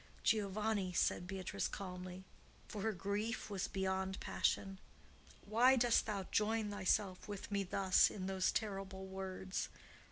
"Giovanni," said Beatrice, calmly, for her grief was beyond passion, "why dost thou join thyself with me thus in those terrible words?